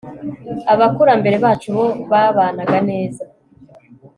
abakurambere bacu bo babanaga neza